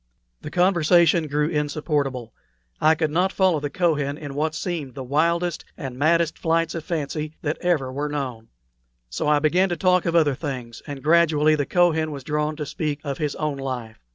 The conversation grew insupportable. I could not follow the Kohen in what seemed the wildest and maddest flights of fancy that ever were known; so I began to talk of other things, and gradually the Kohen was drawn to speak of his own life.